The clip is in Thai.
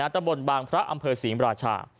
ตำบลบางพระอำเภอศรีมราชา